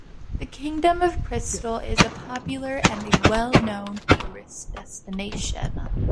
The Kingdom of Crystal is a popular and a well known tourist destination.